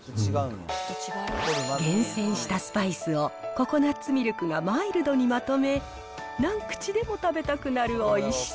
厳選したスパイスをココナッツミルクがマイルドにまとめ、何口でも食べたくなるおいしさ。